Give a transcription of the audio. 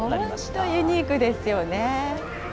本当、ユニークですよね。